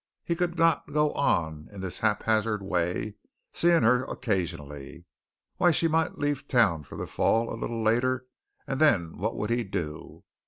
He could not go on in this haphazard way, seeing her occasionally. Why she might leave town for the fall a little later and then what would he do?